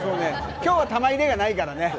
今日は玉入れがないからね。